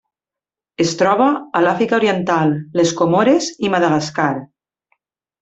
Es troba a l'Àfrica Oriental, les Comores i Madagascar.